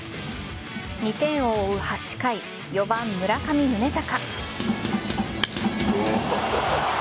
２点を追う８回４番・村上宗隆。